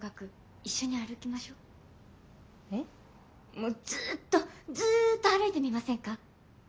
もうずっとずっと歩いてみませんか。